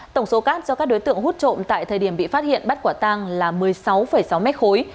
tổng số cát do các đối tượng hút trộm tại thời điểm bị phát hiện bắt quả tang là một mươi sáu sáu mét khối